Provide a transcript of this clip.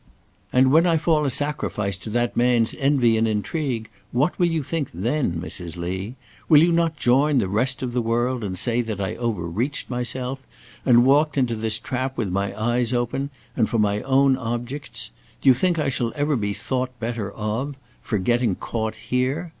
"And when I fall a sacrifice to that man's envy and intrigue, what will you think then, Mrs. Lee? Will you not join the rest of the world and say that I overreached myself; and walked into this trap with my eyes open, and for my own objects? Do you think I shall ever be thought better of; for getting caught here?